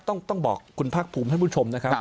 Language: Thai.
ต้องบอกคุณภาคภูมิท่านผู้ชมนะครับ